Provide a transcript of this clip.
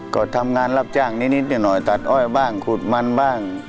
ก็ทำงานรับจ้างนิดหน่อยตัดอ้อยบ้างขุดมันบ้าง